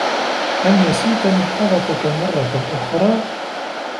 هل نسيت محفظتك مرّة أخرى؟